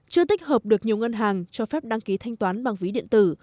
chưa tích hợp được nhiều ngân hàng cho phép đăng ký thanh toán bằng ví điện tử